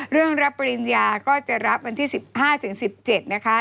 รับปริญญาก็จะรับวันที่๑๕๑๗นะคะ